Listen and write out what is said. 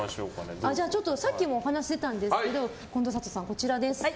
さっきもお話出たんですけど近藤サトさん、こちらです。